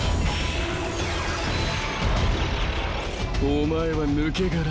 お前は抜け殻。